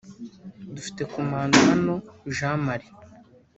dufite Komanda hano Jean Marie